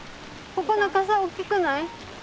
ここな傘大きくない？